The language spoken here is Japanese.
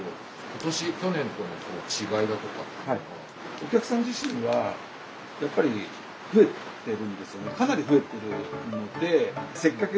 お客さん自身はやっぱり増えてるんですよね。